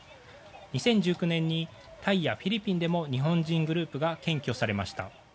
２０１９年にタイやフィリピンでも日本人グループが検挙されました。